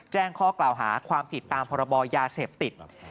แจ้งข้อกล่าวหาความผิดตามพรบยาเสพติด